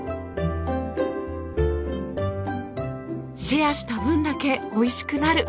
シェアした分だけおいしくなる！